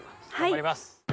頑張ります！